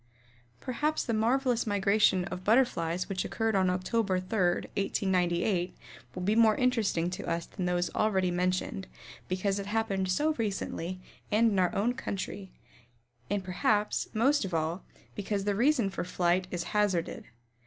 Perhaps the marvelous migration of Butterflies which occurred on Oct. 3, 1898, will be more interesting to us than those already mentioned because it happened so recently and in our own country, and perhaps, most of all, because the reason for flight is hazarded.